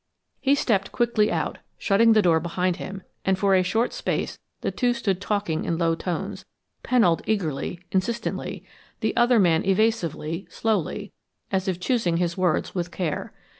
He stepped quickly out, shutting the door behind him, and for a short space the two stood talking in low tones Pennold eagerly, insistently, the other man evasively, slowly, as if choosing his words with care.